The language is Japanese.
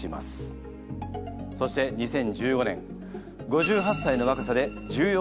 そして２０１５年５８歳の若さで重要